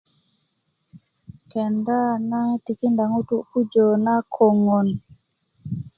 kenda na tikinda ŋutu pujö na koŋön